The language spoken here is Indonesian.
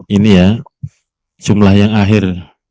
ini ya jumlah yang akhir